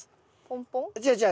違う違う。